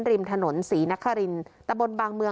ริมถนนสีนักฮารินตะบลบางเมือง